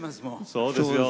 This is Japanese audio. そうですよ。